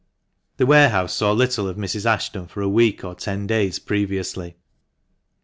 The warehouse saw little of Mrs. Ashton for a week or ten days previously.